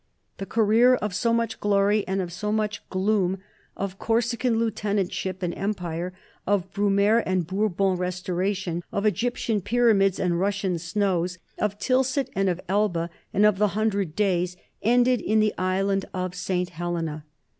The career of so much glory and of so much gloom, of Corsican lieutenantship and Empire, of Brumaire and Bourbon Restoration, of Egyptian pyramids and Russian snows, of Tilsit and of Elba, and of the Hundred Days, ended in the Island of St. Helena.